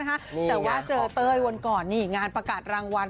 แต่ว่าเจอเต้ยวันก่อนนี่งานประกาศรางวัล